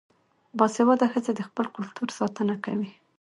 باسواده ښځې د خپل کلتور ساتنه کوي.